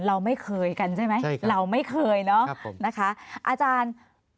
เราไม่เคยกันใช่ไหมเราไม่เคยเนอะนะคะอาจารย์